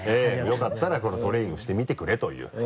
よかったらトレーニングしてみてくれという。